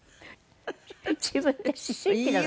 自分で「思春期なの」。